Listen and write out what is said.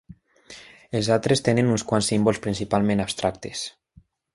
Els altres tenen uns quants símbols principalment abstractes.